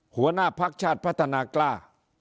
หัวหน้าภักดิ์ชาติพัฒนากล้า